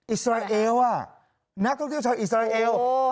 อิสราเอลนักท่องเที่ยวชาวอิสราเอล